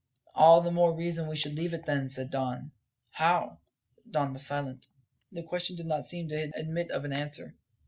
"All the more reason we should leave it, then," said Don. "How?" Don was silent. The question did not seem to admit of an answer.